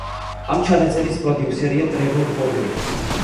ამ ჩანაწერის პროდიუსერია ტრევორ ჰორნი.